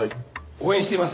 応援しています。